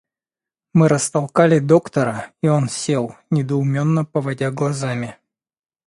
Мы растолкали доктора, и он сел, недоумело поводя глазами.